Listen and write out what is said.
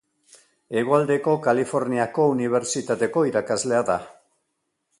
Hegoaldeko Kaliforniako Unibertsitateko irakaslea da.